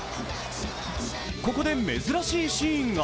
ここで珍しいシーンが。